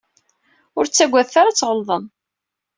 Ur ttagadet ara ad tɣelḍem.